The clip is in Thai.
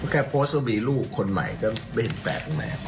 แค่โพสต์ว่ามีลูกคนใหม่ก็ไม่เห็นแฝดแม่